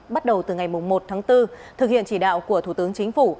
bắt đầu từ ngày một tháng bốn thực hiện chỉ đạo của thủ tướng chính phủ